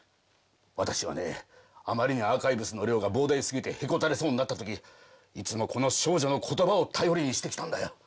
私はねあまりにアーカイブスの量が膨大すぎてへこたれそうになった時いつもこの少女の言葉を頼りにしてきたんだよ。